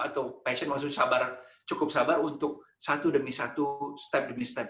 atau passion maksudnya sabar cukup sabar untuk satu demi satu step demi step